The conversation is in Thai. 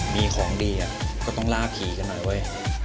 มีของดีก็ต้องล่าผีกันหน่อยเว้ย